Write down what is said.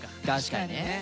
確かにね。